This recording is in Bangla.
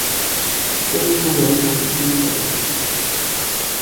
স্টোক কালার আর ফিল কালার।